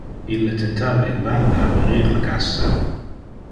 Ille tentava in van de aperir le cassa.